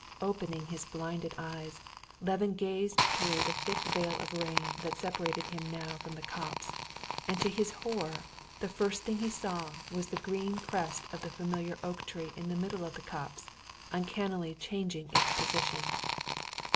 Opening his blinded eyes, Levin gazed through the thick veil of rain that separated him now from the copse, and to his horror the first thing he saw was the green crest of the familiar oak tree in the middle of the copse uncannily changing its position.